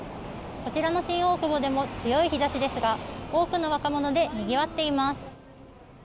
こちらの新大久保でも強い日差しですが多くの若者でにぎわっています。